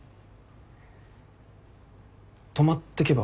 泊まってけば？